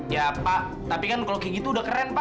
ya pak tapi kan kalau kayak gitu udah keren pak